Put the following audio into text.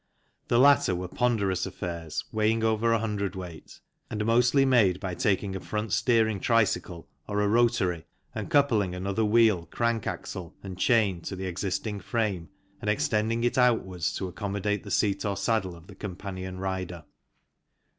The latter were ponderous affairs weighing over 1 cwt. and mostly made by taking a front steering tricycle or a Rotary and coupling another wheel, crank axle and chain to the existing frame and extending it outwards to accommodate the seat or saddle of the companion rider.